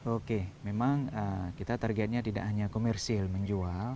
oke memang kita targetnya tidak hanya komersil menjual